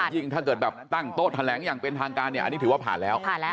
ยิ่งถ้าเกิดตั้งโต๊ะแทนแหลงอย่างเป็นทางการอันนี้ถือว่าผ่านแล้ว